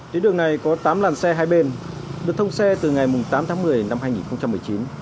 tuyến đường này có tám làn xe hai bên được thông xe từ ngày tám tháng một mươi năm hai nghìn một mươi chín